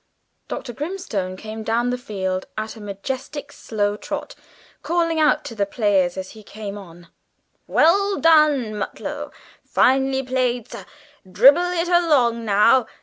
Dr. Grimstone came down the field at a majestic slow trot, calling out to the players as he came on "Well done, Mutlow! Finely played, sir! Dribble it along now.